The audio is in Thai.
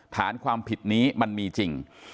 ฐานความผิดนี้มันมีจริง